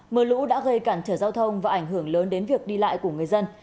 mưa lũ đã gây cản trở giao thông và ảnh hưởng lớn đến việc đi lại của người dân